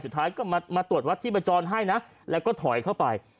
สุดท้ายก็มาตรวจวัดที่ประจรให้นะแล้วก็ถอยเข้าไป